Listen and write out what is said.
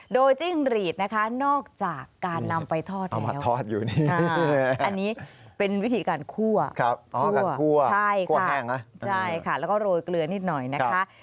โดยจิ้งรีดนะคะนอกจากการนำไปทอดแล้วอันนี้เป็นวิธีการคั่วใช่ค่ะแล้วก็โรลเกลือนิดหน่อยนะคะ